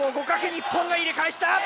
日本が入れ返した！